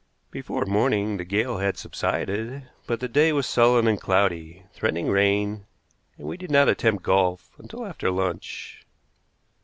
Before morning the gale had subsided, but the day was sullen and cloudy, threatening rain, and we did not attempt golf until after lunch.